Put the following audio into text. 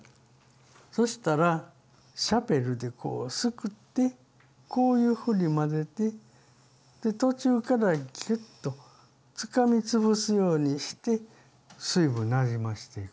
そしたらシャベルでこうすくってこういうふうに混ぜてで途中からぎゅっとつかみつぶすようにして水分なじましていく。